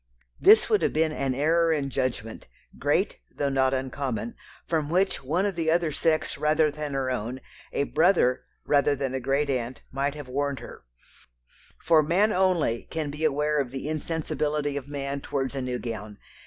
This would have been an error in judgment, great though not uncommon, from which one of the other sex rather than her own, a brother rather than a great aunt, might have warned her; for man only can be aware of the insensibility of man towards a new gown.